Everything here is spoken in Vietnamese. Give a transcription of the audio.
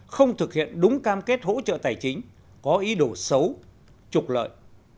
không thực hiện đúng cam kết hỗ trợ tài chính có ý đồ xấu trục lợi